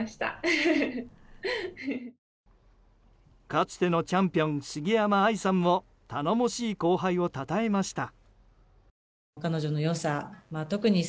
かつてのチャンピオン杉山愛さんも頼もしい後輩をたたえました。